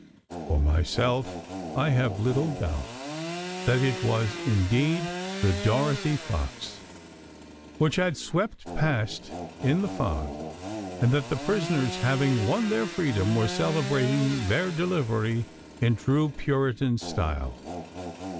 For myself, I have little doubt that it was indeed the Dorothy Fox which had swept past in the fog, and that the prisoners, having won their freedom, were celebrating their delivery in true Puritan style.